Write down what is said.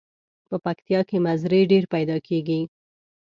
په پکتیا کې مزري ډیر پیداکیږي.